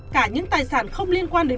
cả những tài sản không liên quan đến